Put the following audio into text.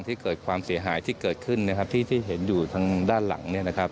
ที่เกิดความเสียหายที่เกิดขึ้นที่เห็นอยู่ทางด้านหลัง